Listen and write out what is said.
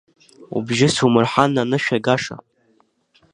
Убжьы сумырҳан анышә иагаша…